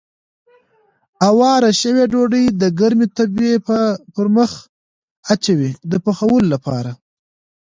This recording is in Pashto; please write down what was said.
اواره شوې ډوډۍ د ګرمې تبۍ پر مخ اچوي د پخولو لپاره.